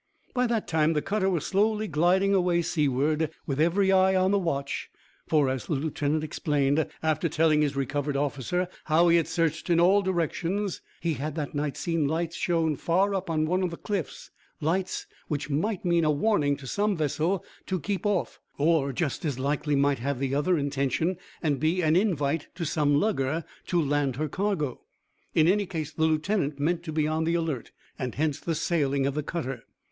By that time the cutter was slowly gliding away seaward, with every eye on the watch, for, as the lieutenant explained, after telling his recovered officer how he had searched in all directions, he had that night seen lights shown far up on one of the cliffs lights which might mean a warning to some vessel to keep off, or just as likely might have the other intention, and be an invite to some lugger to land her cargo. In any case the lieutenant meant to be on the alert, and hence the sailing of the cutter.